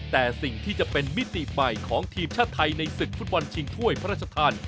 แต่สิ่งที่จะเป็นมิติใหม่ของทีมชาติไทยในศึกฟุตบอลชิงถ้วยพระราชทาน